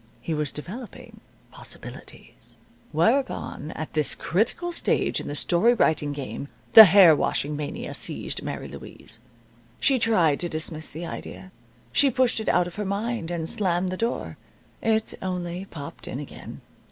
He was developing possibilities. Whereupon, at this critical stage in the story writing game, the hair washing mania seized Mary Louise. She tried to dismiss the idea. She pushed it out of her mind, and slammed the door. It only popped in again.